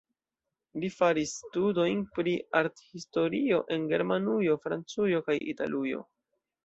Li faris studojn pri arthistorio en Germanujo, Francujo kaj Italujo.